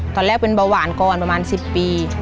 ตอนแรกเป็นเบาหวานก่อนประมาณ๑๐ปี